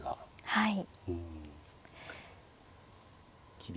はい。